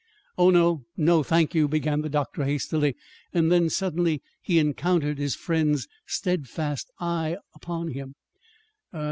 "Oh, no; no, thank you," began the doctor hastily. Then, suddenly, he encountered his friend's steadfast eye upon him.